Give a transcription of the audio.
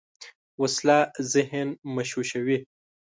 وسله ذهن مشوشوي